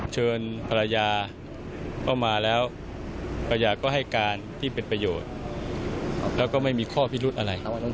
เชิญภรรยาเข้ามาแล้วภรรยาก็ให้การที่เป็นประโยชน์แล้วก็ไม่มีข้อพิรุธอะไร